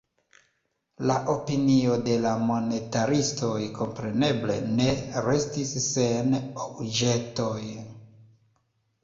La opinio de la monetaristoj kompreneble ne restis sen obĵetoj.